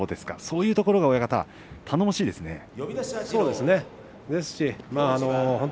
そういうところが頼もしいですね。